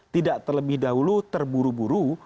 tidak terlebih dahulu terburu buru